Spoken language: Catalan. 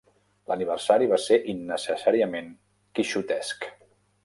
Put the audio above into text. L'aniversari va ser innecessàriament quixotesc.